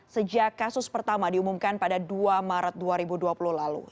sejak kasus pertama diumumkan pada dua maret dua ribu dua puluh lalu